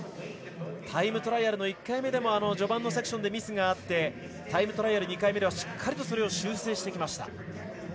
タイムトライアルの１回目でも序盤のセクションでミスがありタイムトライアル２回目でしっかり修正してきました。